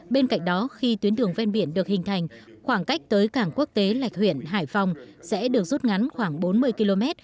bên cạnh đó khi tuyến đường ven biển được hình thành khoảng cách tới cảng quốc tế lạch huyện hải phòng sẽ được rút ngắn khoảng bốn mươi km